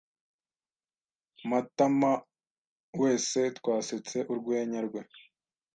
Matamawese twasetse urwenya rwe.